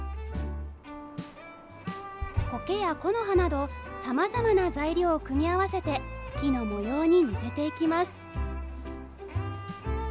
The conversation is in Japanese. コケや木の葉などさまざまな材料を組み合わせて木の模様に似せていきます。